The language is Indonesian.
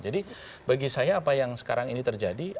jadi bagi saya apa yang sekarang ini terjadi